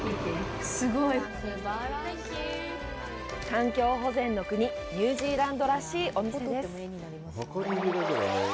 環境保全の国ニュージーランドらしいお店です。